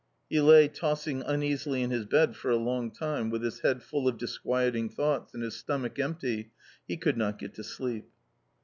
He lay tossing uneasily in his bed for a long time : with his head full of disquieting thoughts, and his stomach empty, he could not get to sleep.